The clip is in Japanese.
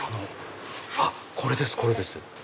あっこれですこれです！